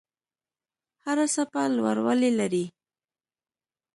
هره څپه لوړوالی لري.